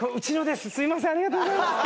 すみませんありがとうございますって。